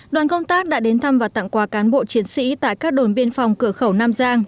đoàn công tác đã đến thăm và tặng quà cán bộ chiến sĩ tại các đồn biên phòng cửa khẩu nam giang